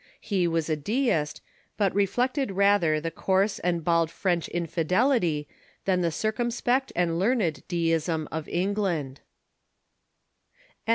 He was a Deist, but reflect ed rather the coarse and bald French infidelity than the circumspect and learned Deism of England.